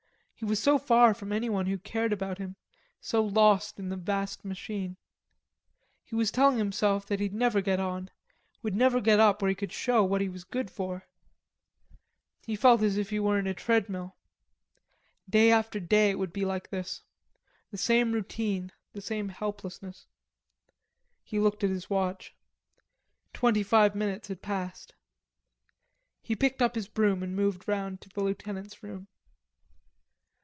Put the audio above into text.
He was so far from anyone who cared about him, so lost in the vast machine. He was telling himself that he'd never get on, would never get up where he could show what he was good for. He felt as if he were in a treadmill. Day after day it would be like this, the same routine, the same helplessness. He looked at his watch. Twenty five minutes had passed. He picked up his broom and moved round to the lieutenant's room.